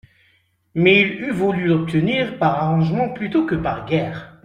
Mais il eût voulu l'obtenir par arrangement plutôt que par guerre.